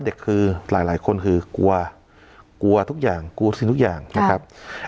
เด็กคือหลายคนคือกลัวกลัวทุกอย่างกลัวสิ่งทุกอย่างนะครับ